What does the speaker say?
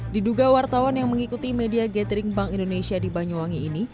diduga wartawan yang mengikuti media gathering bank indonesia di banyuwangi ini